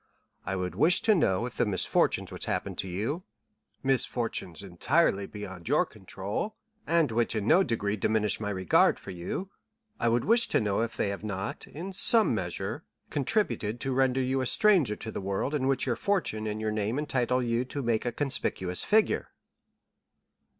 I would wish to know if the misfortunes which have happened to you—misfortunes entirely beyond your control, and which in no degree diminish my regard for you—I would wish to know if they have not, in some measure, contributed to render you a stranger to the world in which your fortune and your name entitle you to make a conspicuous figure?"